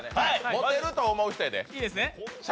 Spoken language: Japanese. モテると思う人やで。